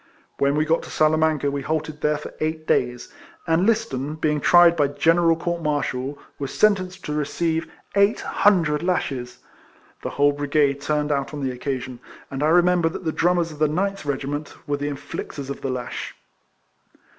AVhen we got to Sala manca we halted there for eight days ; and I^iston, being tried by general court martial, was sentenced to receive eight hundred lashes. The whole brigade turned out on the occasion ; and I remember that the drummers of the Ninth regiment Avere the inflictors of the lash.